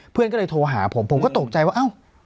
เพื่อนก็เลยโทรหาผมผมก็ตกใจว่าเอ้า